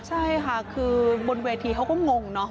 ใช่ค่ะคือบนเวทีเขาก็งงเนาะ